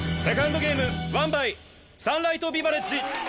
セカンドゲームワンバイサンライトビバレッジ。